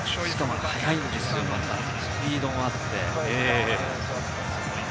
早いんですよ、スピードもあって。